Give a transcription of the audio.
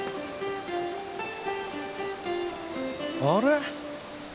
あれ？